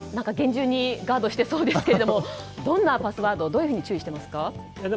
古市さんは厳重にガードしてそうですけどもどんなパスワードどう注意していますか？